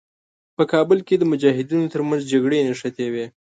په کابل کې د مجاهدینو تر منځ جګړې نښتې وې.